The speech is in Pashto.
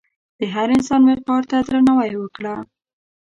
د هر انسان وقار ته درناوی وکړه.